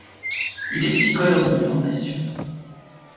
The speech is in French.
Il est psychologue de formation.